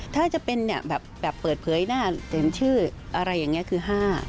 ถ้าจะเป็นเนี่ยแบบเปิดเผยหน้าเซ็นชื่ออะไรอย่างนี้คือ๕